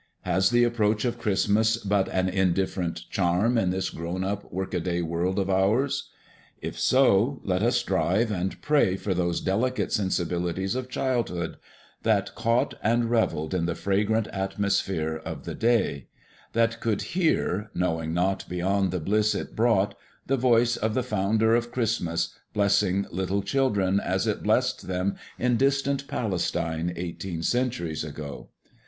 Has the approach of Christmas but an indifferent charm in this grown up work a day world of ours? If so, let us strive and pray for those delicate sensibilities of childhood that caught and reveled in the fragrant atmosphere of the day; that could hear, knowing naught beyond the bliss it brought, the voice of the Founder of Christmas blessing little children as it blessed them in distant Palestine eighteen centuries ago.